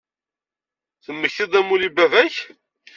Temmektid-d amulli n baba-k?